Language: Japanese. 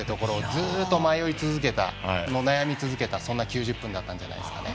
ずっと迷い続けた、悩み続けたそんな９０分だったんじゃないですかね。